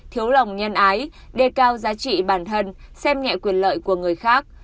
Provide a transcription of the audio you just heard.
thiếu lòng nhân ái đề cao giá trị bản thân xem nhẹ quyền lợi của người khác